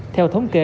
theo thống kê